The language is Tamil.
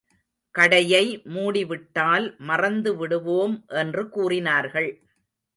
கடையை மூடிவிட்டால் மறந்து விடுவோம் என்று கூறினார்கள்.